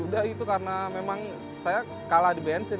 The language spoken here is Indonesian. udah itu karena memang saya kalah di bensin